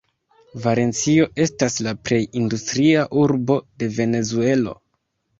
Valencio estas la plej industria urbo de Venezuelo.